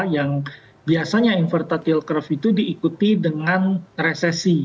yang biasanya inverted yield curve itu diikuti dengan resesi